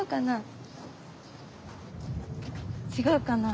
違うかな？